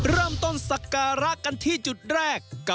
เริ่มต้นสักการะกันที่จุดแรก